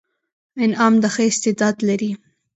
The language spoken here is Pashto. انعام د ښه استعداد لري.